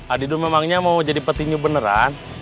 adik lu memangnya mau jadi petinju beneran